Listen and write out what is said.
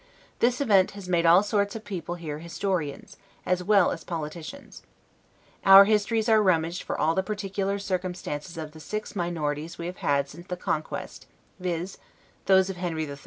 This event has made all sorts of people here historians, as well as politicians. Our histories are rummaged for all the particular circumstances of the six minorities we have had since the Conquest, viz, those of Henry III.